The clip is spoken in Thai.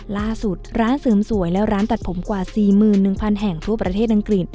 ร้านเสริมสวยและร้านตัดผมกว่า๔๑๐๐แห่งทั่วประเทศอังกฤษ